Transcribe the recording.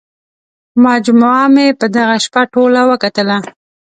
مجموعه مې په دغه شپه ټوله وکتله.